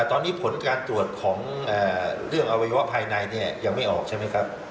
ตอนนี้ผลการตรวจของเรื่องอวัยวะภายในเนี่ยยังไม่ออกใช่ไหมครับ